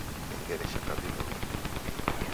Kengele chakabiloghe